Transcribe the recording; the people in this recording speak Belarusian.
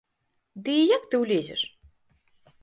Ды і як ты ўлезеш?